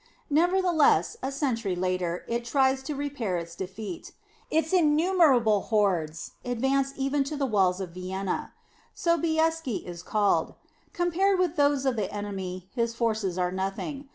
Nevertheless, a century later, it tries to repair its defeat. Its innumerable hordes advance even to the walls of Vienna. Sobi eski is called. Compared with those of the enemy, his forces are nothing.